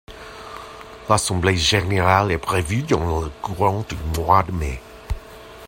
L'assemblée générale est prévue dans le courant du mois de mai.